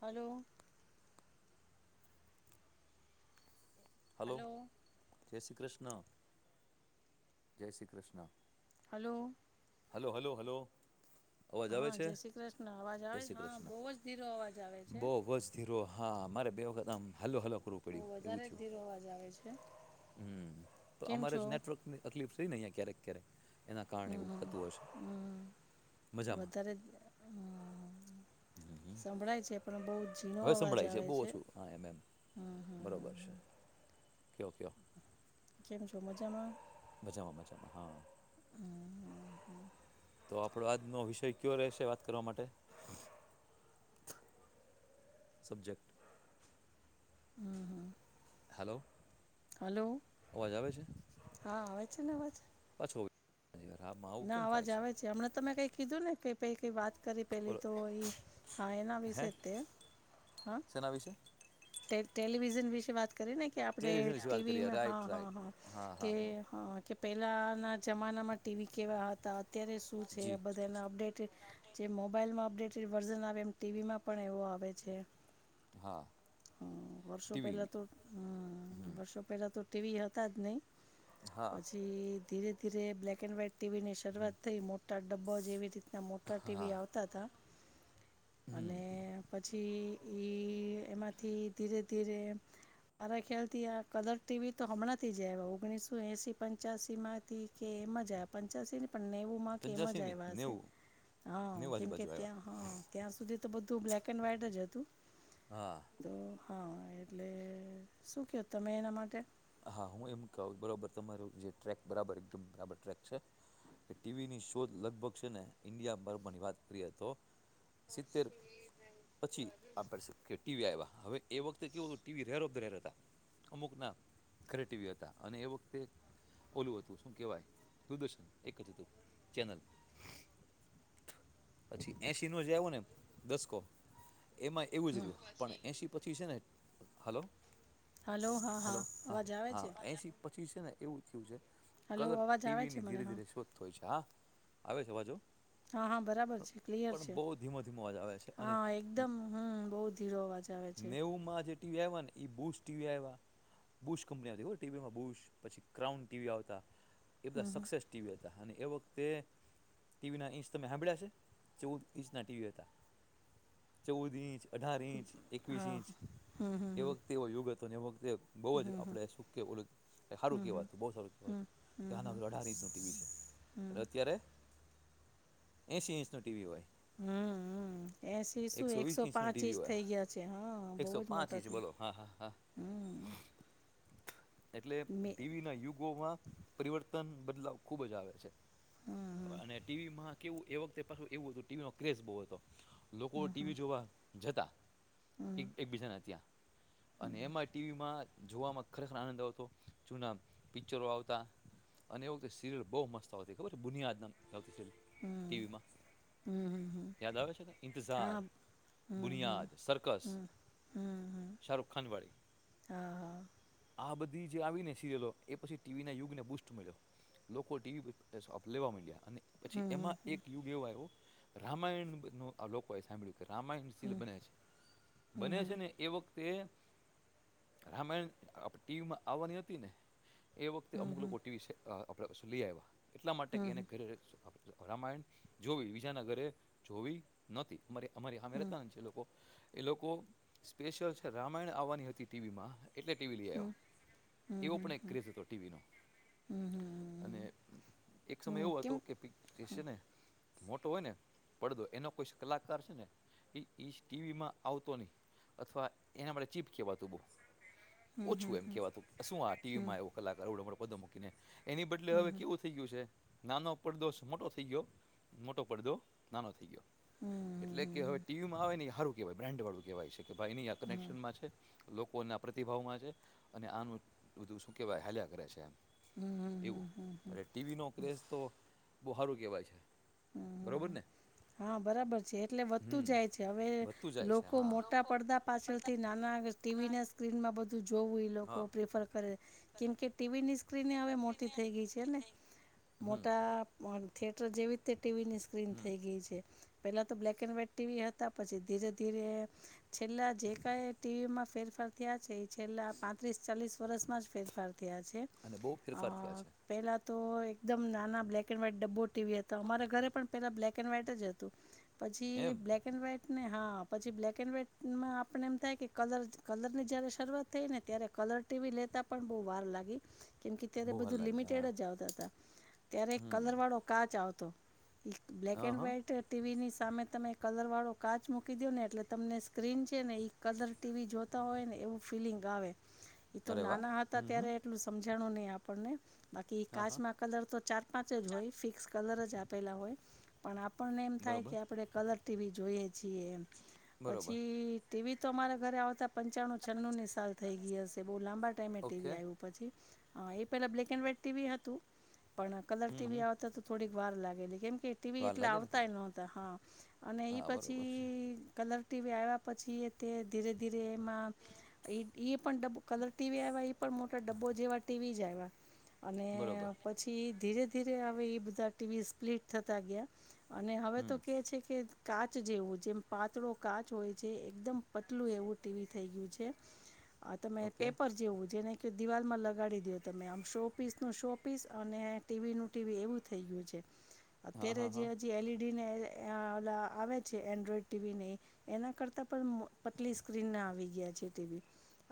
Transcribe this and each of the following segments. [inaudible] હાલો hello. જય શ્રી કૃષ્ણ. જય Shri Krishna. Hello. Hello hello hello અવાજ આવે હા છે, જય શ્રી કૃષ્ણ અવાજ જય આવે છે? શ્રી હા કૃષ્ણ બહુ જ ધીરો અવાજ આવે છે. બહ ધરો હા મારે બે વખત આમ હલો હલો કરવું બહુ પડ્યું એવું વધારે જ થયું. ધીરો અવાજ આવે છે. હમ્મ, તો કેમ અમારે છો? જ નેટવર્ક ની તકલીફ છેઈ ને અહિયાં ક્યારેક ક્યારેક એના કારણે હમ થતું હશે. હમ મજામાં. વધારે હમ સંભળાય છે પણ બોઉ હવે સંભળાય છે, બહુ ઓછું હા એમ એમ બરોબર છે. કયો ક્યો કેમ છો? મજામાં? મજામાં. મજામાં. હા. તો આપડો આજનો વિષય ક્યો રહેશે વાત કરવા માટે? સબજેક્ટ. હમ્મ હમ્મ હાલો હલો. હા આવે છે ને અવાજ. પાછો યાર આમાં આવું ના કેમ અવાજ થાય આવે છે. હમણાં તમે કંઈ કીધું ને. કે પઈ કે વાત. કરી પેલી બોલો તો ઈ. હા એના હે વિશે જ તે. હાન? શેના વિશે ટે ટેલીવિઝન વિશે વાત કરીને કે આપડે ટેલિવિઝન વિશે વાત ટીવી કરીએ મે હાં રાઈટ હાં રાઈટ હાં હા કે હા હા હાં કે પહેલાંના જમાનામાં ટીવી કેવા હતા અત્યારે શું છે જી આ બધાના અપડેટ જે મોબાઈલમાં અપડેટેડ વર્ઝન આવે એમ ટીવીમાં પણ એવો આવે છે હા હ વર્ષો ટીવી પહેલા તો હમ વર્ષો પહેલા તો ટીવી હતા જ નહી હા પછી ધીરે ધીરે બ્લેક એન્ડ વ્હાઈટ ટીવી ની શરૂઆત થઈ મોટા ડબ્બા જેવી રીતના મોટા હા ટીવી આવતા હતા હમ અને પછી ઈ એમાંથી ધીરે ધીરે મારા ખ્યાલ થી આ કલર ટીવી તો હમણાં થી જ ઓગણીસો એસી પંચસી માંથી કે એમ જ આપ પંચશી નેવું માં કે એમ જ પંચ્યાસી નહીં આવ હસે નેવું હ નેવું કેમકે આજુબાજુ આવ્યા ત્યાં હ ત્યાં સુધી તો બધું બ્લેક એન્ડ વ્હાઈટ જ હતું હા તો હા એટલે શું કહેો તમે એના માટે હા હું એમ કઉ બરાબર તમાર જે ટ્રેક બરાબરમ બબર ટ્રેક છે ટીવીની શો લગભગ છે ને ઇન્ડિયા બર્બરની વાત કરીએ તો સિતેર પછી આપ ટીવી આવ્યા હવે એ વખતે કેવું હતું ટીવી [unintelligible] રેરો હતા અમુક ના ઘરે ટીવી હતા અને એ વખતે ઓલું હતું શું કેવાય દરદર્શન એક હતું ચેનલ પછી એસી ન જે આવું ને દસકો એમાં એવું જ રહ્યું પણ એસી પછી છે ને હલો હલો હા હલો હા અવાજ આવે હા છે એસી છે ને એવું થયું છે હલો કલર અવાજ આવે ટીવી છે ની મને ધીરે હા ધીરે શોધ હોય છે હા આવે છે અવાજો હા હા બરાબર છે ક્લિયર પણ છે બહુ ધીમો ધીમો અવાજ આવે છે હા એકદમ હમ બઉ ધીરો અવાજ આવે છે નેવું માં જે ટીવી આવ્યા ને એ બુ ટીવી આવ્યા બુશ કંપની આવ ટીવીમાં બુશ પછી ક્રાઉન ટીવી આવતા એ હમ બધા હમ. સક્સેસ ટીવી હતા અને એ વખત તે ટીવી ના ઈંચ તમે હાંભળ્યા છે ચૌદ ઇંચના ટીવી હતા ચૌદ ઇંચ અઢાર ઇંચ એકવીસ હા ઇંચ હમ હમ એ વખતે એવો યુગ હતો એ વખતે બહ જ આપડે સુખ કે હારું કેવાતું બહ સારું કેવા હમ હમ હતું આના અઢાર ઇંચ ન ટીવી છે અત્યારે એસી ઇંચ ના ટીવી હોય હમ એસી શું વીસ એકસો ઇંચનું પાંચ ટીવી ઈંચ હોય થઇ ગયા છે હા બહુ એકસો જ પાંચ ઇંચ મોટાથી બોલો હા હા હા હમ એટલે મે ટીવી ના યુગોમાં પરિવર્તન બદલાવ ખુબ જ આવે છે હમ અને ટીવી માં કેવું એ વખતે પા એવું હતું ટીવીમાં ક્રેઝ બહુ હતો લોકો ટીવી જોવા જતા હમ એકબીજાના ત્યાં અને એમાં ટીવી માં જોવામાં ખર આનંદ આવતો જુના પિક્ચરો આવતા અને એ વખતે સીરિયલ બહ મસ્ત આવતી ખબર છે બુનિયાદ આવતી હમ ટીવી માં હમ હમ હમ યાદ આવે છે ને ઇંતજાર હા હમ હમ બુનિયાદ સરકસ હમ હમ હમ શાહરૂુખ ખાન વાડી હા હા આ બધી જે આવી ને સિરિયલો એ પછી ટીવીના યુગને બુસ્ટ મળ્યો લોકો ટીવી પર લેવા મંડ્યા અને પછી હમ હમ એમાં એક યુગ એવો આવ્યો રામાયણ નું આ લોકોએ સાંભળ્યું રામાયણશીલ બને છે હમ બને છે હમ ને એ વખત તે રામાયણ ટીવીમાં આવવાની હતી ને એ વખતે હમ અમુક લોકો ટીવી સેટ આપણે લઈ આવ્યા એટલા માટે એને હમ હમ ઘરે રામાયણ જોવી બીજા ના ગરે જોવી નોતી અમારે અમારી હામે હમ રહેતાને જે લોકો એ લોકો સ્પેશિયલ છે રામાયણ આવવાની હતી ટીવી માં એટલે ટીવી લઈ હમ હમ આવ્યા હમ એવો પણ એક ક્રેઝ હતો ટીવીનો. હમ અને હમ એક સમય હમ એવો હતો કેમ કે પીજ છે ને મોટો હોય ને પડદો એનો કોઈ કલાકાર છે ને એ ઈ ટીવી માં આવતો નઈ. અથવા એના માટે ચીપ કેવાતું બહુ હમ હમ ઓછું એમ હમ કેવાતું કે શું ટીવી હમ માં આવ કલાકાર એવો પદો મૂકીને એની બદલે હવે હમ હમ કેવું થઇ ગયું છે નાનો પડદો મોટો થઈ ગયો મોટો પડદો નાનો થઈ ગયો હમ એટલે કે હવે હમ ટીવીમાં આવે હારુ કેવાય બ્રાન્ડ વાળું કેવાય છે કે ભાઈ ન આ કનેક્શન માં છે લોકો ના પ્રતિભાવમાં છે અને આનું બધું શું કેવાય હાલ્યા કરે છે એમ હમ હમ એવું હમ હમ ટીવી નો ક્રેઝ તો બુહારું કેવાય છે બરોબર હમ ને હા બરાબર છે એટલે વધતું હમ જાય છે હવે વધતું જાય છે લોકો હા મોટા પડદા પાછળથી નાના ટીવી ના સ્ક્રીનમાં બધ જોવું એ લોકો હા પ્રિફર કરે કેમ કે ટીવીની સ્ક્રીન એ હવે મોટી થઈ ગઈ છે ને હમ મોટા થિએટર જેવી તે ટીવી ની સ્ક્રીન હમ થઈ ગઈ છે પેલા તો બ્લેક એન્ડ વ્હાઈટ ટીવી હતા પછી ધીરે ધીરે છેલ્લા જે કઈ ટીવી માં ફેરફાર થયા છે એ છેલ્લા પાંત્રીસ ચાલીસ વર્ષમાં જ ફેરફાર ત્યાંછે અને બહુ અ ફેરફાર થયા છે પેલા તો એકદમ નાના બ્લેક એન્ડ વ્હાઈટ ડબ્બો ટીવી હતા અમારા ઘરે પણ પહેલા બ્લેક એન્ડ વ્હાઈટ જ હતું પછી એમ બ્લેક એન્ડ વ્હાઈટ ને હા પછી બ્લેક એન્ડ વ્હાઈટમાં આપણે એમ થાય કે કલર કલર ની જ્યારે શરૂઆત થઈ ને ત્યારે કલર ટીવી લેતા પણ બહું વાર લાગી કેમ કે ત્યારે બહુ વાર બધું લાગે હા લિમિટેડ જ આવતા હતા ત્યારે હમ કલર વાળો કાચ આવતો એક બ્લેક હા એન્ડ હા વાઈટ ટીવીની સામે તમે કલર વાળો કાચ મૂકી દયો ને એટલે તમને સ્ક્રીન છે ને કલર ટીવી જોતા હોય ને એવું ફિલિંગ આવે. એ તો અરે વાહ નાના હતા હમ હમ ત્યારે એટલું સમજાણું નઈ આપણને બાકી હા હા કાચમાં કલર તો ચાર પાંચ જ હોય ફિક્સ કલર જ આપેલા હોય પણ પણ ને એમ થાય બરોબર કે આપડે કલર ટીવી જોઈએ છીએ એમ બરોબર પછી- ટીવી તો અમારા ઘરે આવતા પંચાણું છન્નુની સાલ થઈ ગઈ હશે બઉ લાંબા ટાઈમે ઓકે ટીવી આવ્યું પછી હા એ પેલા બ્લેક એન્ડ વ્હાઈટ ટીવી હતું પણ કલર હમ ટીવી હમ આવતા તો થોડીક વાર લાગેલી કેમ કે ટીવી વાર એટલા લાગે ને આવતાય નતા હા અને એ હા પછી બરોબર છે કલર ટીવી આવ્યા પછી એ તે ધીરે ધીરે એમાં ઈ ઈ પણ ડબુક કલર ટીવી આવ્યા એ પણ મોટા ડબ્બો જેવા ટીવીજ આવ્યા અને બરોબર પછી ધીરે ધીરે હવે એ બધા ટીવી સ્પ્લીટ થતા ગયા અને હવે તો હમ કે છે કે કાચ જેવો જેમ પાતળો કાચ હોય છે એકદમ પતલું એવું ટીવી થઈ ગયું છે આ તમે ઓકે પેપર જેવું છેઅને કે દિવાલમાં લગાડી દો તમે આમ શો પીસનું શો પીસ અને ટીવીનું ટીવી એવું થઈ ગયું છે હા અત્યારે હા હા જે જે એલઈડી ને આવે છે એન્ડ્રોઈડ ટીવીને એના કરતા પણ પતલી સ્ક્રીન ના આવી ગયા છે ટીવી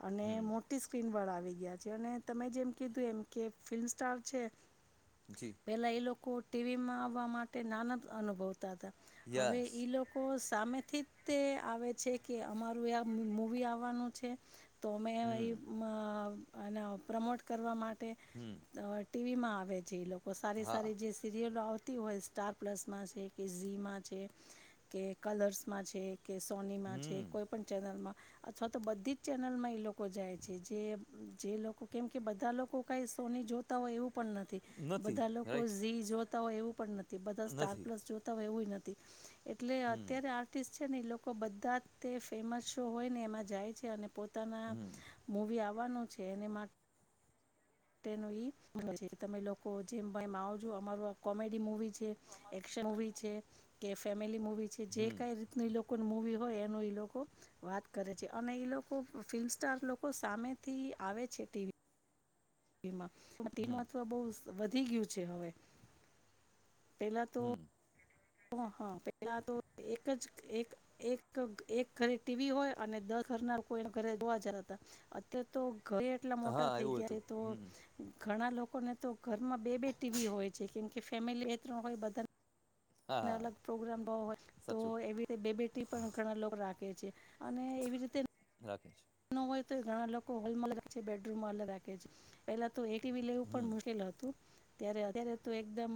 અને હમ મોટી સ્ક્રીન વાળા આવી ગયા છે અને તમે જેમ કીધું એમ કે ફિલ્મ સ્ટાર છે જી પેલા એ લોકો ટીવી માં આવવા માટે નાનભ અનુભવ તાતા હવે યસ ઈ લોકો સામેથી તે આવે છે કે અમારું આ મવી આવવાનું છે. તો અં હમ એના પ્રમોટ કરવા માટે હમ અ ટીવીમાં આવે છે એ લોકો સારી હા સારી જે સિરિયલો આવતી હોય સ્ટાર, પ્લસમાં છે કે ઝી માં છે કે કલર્સમાં છે. કે સોનીમાં છે હમ કોઈ પણ ચેનલમાં અથવા તો બધી જ ચેનલમાં એ લોકો જાય છે જે જે લોકો કેમ કે બધા લોકો કઈ સોની જોતા હોય એવું પણ નથી નથી બધા લોકો રાઈટ ઝી જોતા હોય એવું પણ નથી બધા સ્ટાર નથી પ્લસ જોતા હોય એવું નથી એટલે હમ અત્યારે આર્ટિસ્ટ ને એ લોકો બધા તે ફેમસ શો હોય ને એમાં જાય છે અને પો પોતાના હમ મૂવી આવવાનું છે એને મા નું મ છે તમે લોકો જેમ ભ એમ આવજો અમાર આ કોમેડી મુવી શન મુવી છે કે ફેમિલી મુવી છે જે હમ કઈ રીતની મુવી હોય એનું ઈ લોકો વાત કરે છે અને ઈ લોકો ફિલ્મ સ્ટાર લોકો સામેથી આવે છે ટીવી શમાં પણ તે હમ મહત્વ બહુ વધી ગયું છે હવે પેલા તો હમ હ પેલા તો એક જ એક ઘરે ટીવી હોય અને દસ ઘરના લોકો ઘરે જોવા જ હતા અત્યારે તો ઘરે એટલા હા મોટા થઈ એવું ગયા હતું છે તો હમ ઘણા લોકોને તો ઘરમાં બે બે ટીવી હોય છે કેમ કે ફેમિલી એ ત્રણ હોય બધા હા હા અલગ પ્રોગ્રામ ભ હોય તો સાચું એવી રીતે બે બેટી પણ ઘણા લોકો રા કે છે અને એવી રીતે રાખીશ હોય તો ઘણા લોકો હોલમાં અલ બેડરૂમમાં અલગ રાખે છે પેલા એટીવી લેવું હમ પણ મુશ્કેલ હતું ત્યારે અત્યારે તો એકદમ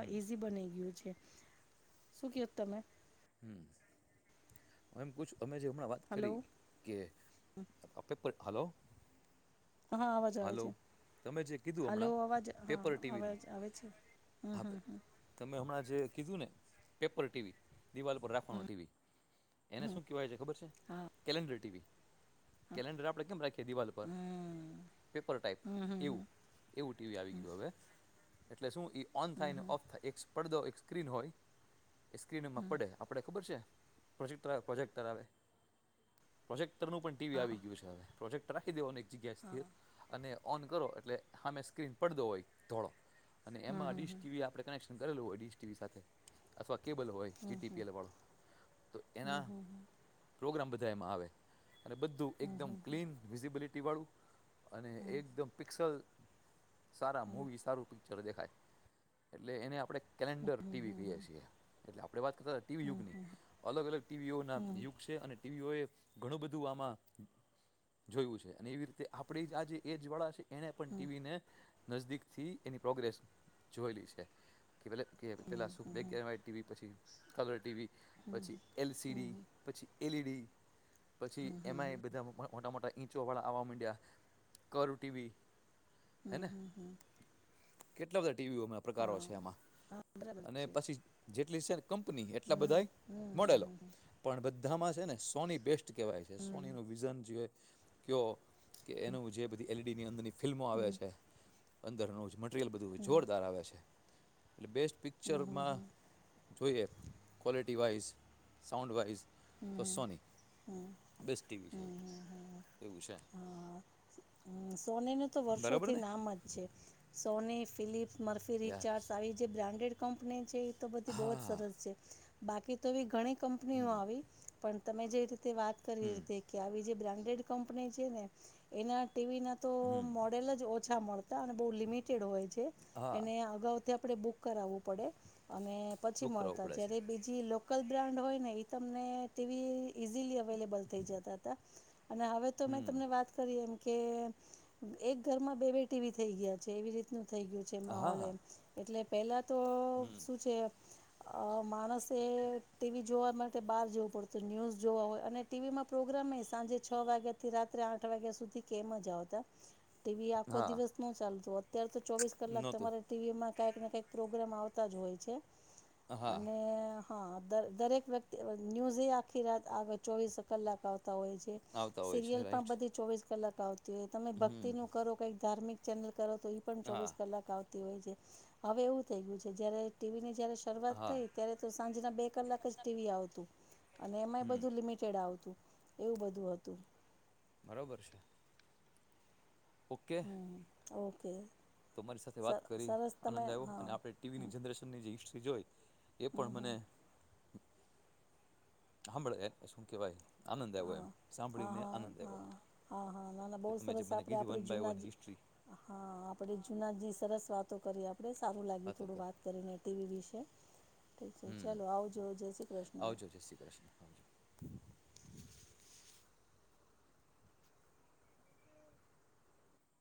હમ ઈઝી બના ગયું છે શું કહો તમે હમ એમ પૂછ અમે જે હમણાં વાત હલો કરી કેે ટોપીક પર હલો હા આવાજ આવે હલો છે તમે જે કીધું હાલો હમણાં અવાજ હા પેપર હા ટીવીનું અવાજ આવે છે હમ હા હમ હમ તમે હમણાં જે કીધું ને પેપર ટીવી દિવાલ પર રાખવાનું હમ ટીવી એને હમ શું કેવાય છે ખબર છે હા કેલેન્ડર ટીવી હા કેલેન્ડર આપડે કેમ રાખે દિવાલ પર હમ હમ પેપર ટાઈપ એવું હમ એવું ટીવી આવી ગયું હવે એટલે શું એ ઓન થાય હમ અનેને હમ ઓફ થાય એક પડદો એક સ્ક્રીન હોય એ સ્ક્રીનમાં હમ હમ પડે આપણે ખબર છે પ્રોજેક્ટર પ્રોજેક્ટર આવે પ્રોજેક્ટર નું પણ ટીવી આવી હા ગયું છે હવે પ્રોજે્ટ રાખી દો અને એક જગ્યાથીર અને ઓન કરો એટલે હમે સ્ક્રીન પડદો હોય ધોળો અને હમ એમાં હમ ડીશ હમ ટીવી આપણે કનેક્શન કરેલું હોયડી સાથે અથવા કેબલ હોય હમ જીીએલ વાળો તો એના હમ હમ પ્રોગ્રામ બધા એમાં આવે અને બધું હમ એકદમ હમ હમ ક્લીન વિઝિબિલિટી વાળું અને હમ એકદમ પિક્સલ સારા હમ હમ મવી સારું પિક્ચર દેખાય એટલે એને આપણે કેલેન્ડર હમ હમ હમ હમ હમ હમ હમ હમ હમ હમ હમ હમ ટીવી હમ કહીએ છીએ એટલે આપણે વાત કરતા ટીવી યુગની અલગ અલગ ટીવીઓ ના યુગ છે અને ટીવીઓ એ ઘણું બધું આમાં જોયું છે અને એવી રીતે આપણે આજે એજ વાળા છે એને પણ ટીવીને નજદીક થી એની પ્રોગ્રેસ જોયેલી છે કે ભલે કે પેલા સુખ બે કહેવાય ટીવી પછી કલર ટીવી પછી એલસીડી પછી એલઈડી પછી એમાંય હમ બધા મોટા મોટા ઈંચો વાળા આવા મીડિયા કર્વ ટીવી હે ને હમ હમ કેટલા બધા ટીવી પ્રકારો હા છે આમાં હા બરાબર અને છે પછી જેટલી છે કંપની એટલા હમ બધા હમ મોડેલો હમ પણ બધા બધામાં છે ને સોની બેસ્ટ કેવાય છે હમ હમ સોની નું વિઝન જો કે કે એનું જે બધી એલડી ની અંદરની ફિલ્મો આવે હમ છે અંદરનું મ રિયલ બધું હોય જોરદાર આવે છે એટલે બેસ્ટ હમ હમ પિક્ચરમાં હમ જોઈએ ક્વૉલિટી વાઇઝ સાઉન્ડ વાઈઝ. હમ તો સોની હમ હમ બેસ્ટ ટીવી છે હમ હમ એવું છે. હા હમ, સોનીનું તો બરાબર વર્ષોથી ને નામ જ છે સોની ફિલિપ. સ્મર્ફી યસ રીચાર્જ આવી જે બ્રાન્ડેડ કંપની છે એ તો બધી બહ જ હા સરસ છે. બાકી તો એ ઘણી કંપનીઓ આવી પણ તમે જે રીતે વાત કરી રીતે કે આવી જે બ્રાન્ડ. ને એના ટીવી ના તો મોડેલ જ. ઓછા મળતા અને બહુ લિમિટેડ હોય છે હા એને અગાઉથી આપણે બુક કરાવવું પડે. અને પછી બુક કરાવવું મળતા પડે છે જય્યારે બીજી. લોકલ બ્રાન્ડ હોય ને તમને ટીવી ઈઝીલી અવેલેબલ થઈ જતા હતા. અને હવે તો મેં તમને વાત કરી એમ. કે એક ઘરમાં બે બેટી ભી થઈ ગયા છે એવી રીતનું. થઈ ગયું છે માહોલ હા એમ એટલે પેલા તો શું છે. અ માણસે ટીવી જોવા માટે બહાર જવું પડતું ન્યુઝ જોવા હોય અને ટીવીમાં પ્રોગ્રામ. સમય સાંજે છ વાગ્યા થી રાત્રે આઠ વાગ્યા સુધી. કેમ જ આવતા ટીવી આખો હા દિવસ ન ચાલતો અત્યારે તો ચોવીસ કલાક નહોતું તમારે ટીવીમાં. કઈક ને કઈક પ્રોગ્રામ આવતા જ હોય છે હા અને. હા દરેક વ્યક્તિ ન્યૂઝ આખી રાત આગળ ચોવીસ કલાક આવ. આવતા હોય છે સીરયલ પણ રાઈટ બધી ચોવીસ કલાક આવતી હોય તમે ભક્તિ નું કરો કઈક ધાર્મિક. ચેનલ કરો તો પણ હા ચોવીસ કલાક આવતી હોય છે હવે એવું થઈ ગયું છે જયારે ટીવી. જય્યારે શરૂઆત હા થઈ ત્યારે તો સાંજના બે કલાક જ ટીવી આવતું. અને એમાંય બધું લિમિટેડ આવતું એવું બધું હતું. બરોબર છે. ઓકે. હમ ઓકે. તો મારી સાથે વાત સર કરી સરસ આનંદ તમે આવ્યો હા અને આપણે ટીવીની જનરેશનની જે હિસ્ટ્રી જોઈ. એ પણ મને. સાંભળ શું કેવાય આનંદ આવ્યો એમ હા હા સાંભળીને હા આનંદ આવો. હા હા નાના બહુ સરસ આપણે આપણે જૂના હિસ્ટ્રી હા આપણે જૂનાજી સરસ. વાતો કરી આપણે સારું લાગ્યું વાતો થોડું કરી વાત કરીને ટીવી વિશે. ઠીક છે હમ ચાલો આવજો જય શ્રી કૃષ્ણ. શ્જ.